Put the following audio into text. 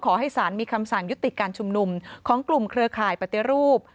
ขอให้สารมีคำสั่งยุติการชุมนุมของกลุ่มเครือข่ายปฏิรูป